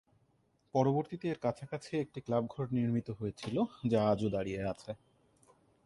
পরবর্তীতে এর কাছাকাছি একটি ক্লাব ঘর নির্মিত হয়েছিল, যা আজও দাঁড়িয়ে আছে।